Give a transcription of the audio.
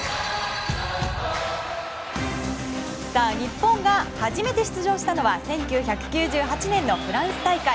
日本が初めて出場したのは１９９８年のフランス大会。